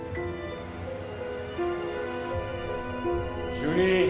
主任。